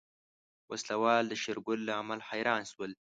وسله وال د شېرګل له عمل حيران شول.